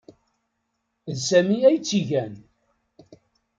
D Sami ay tt-igan.